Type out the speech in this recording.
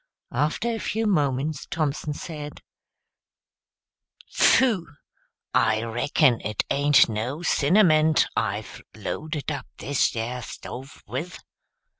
After a few moments Thompson said, "Pfew! I reckon it ain't no cinnamon 't I've loaded up thish yer stove with!"